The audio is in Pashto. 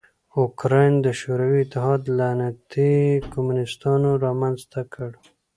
اوکراین د شوروي اتحاد لعنتي کمونستانو رامنځ ته کړ.